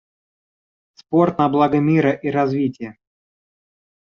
Спорт на благо мира и развития.